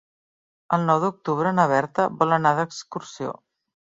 El nou d'octubre na Berta vol anar d'excursió.